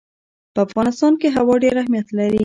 په افغانستان کې هوا ډېر اهمیت لري.